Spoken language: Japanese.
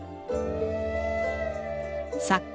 作家